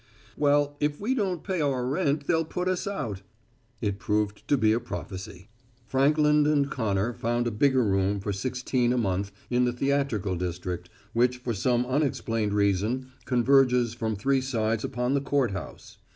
"Well, if we don't pay our rent they'll put us out." It proved to be a prophecy. Frankland & Connor found a bigger room for sixteen a month in the theatrical district, which for some unexplained reason converges from three sides upon the Court House.